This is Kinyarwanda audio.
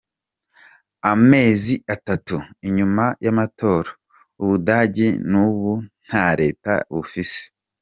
Amezi atatu inyuma y'amatora, Ubudagi n'ubu nta reta bufise.